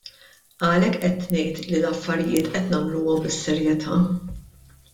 Għalhekk qed ngħid li l-affarijiet qed nagħmluhom bis-serjetà!